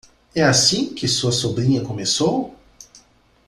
É assim que sua sobrinha começou?